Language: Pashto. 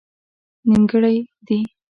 نيمګړئ دي